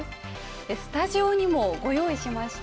スタジオにも、ご用意しました。